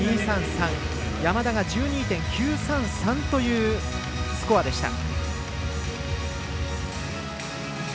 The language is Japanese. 山田が１２．９３３というスコアでした。